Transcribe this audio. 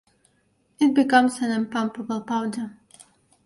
It becomes an impalpable powder.